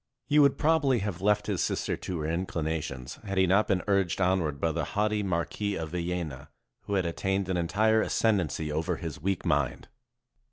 He would probably have left his sister to her inclinations, had he not been urged onward by the haughty Marquis of Villena, who had attained an entire ascendancy over his weak mind.